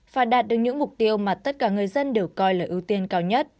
và đạt được những mục tiêu mà tất cả người dân đều coi là ưu tiên cao nhất